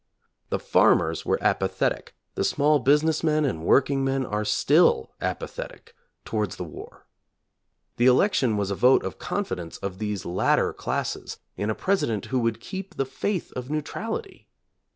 The farmers were apa thetic, the small business men and workingmen are still * apathetic towards the war. The elec tion was a vote of confidence of these latter classes in a President who would keep the faith of neu trality.